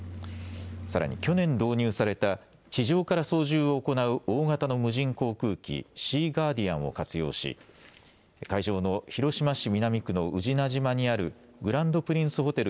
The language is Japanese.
さらに去年導入された地上から操縦を行う大型の無人航空機、シーガーディアンを活用し会場の広島市南区の宇品島にあるグランドプリンスホテル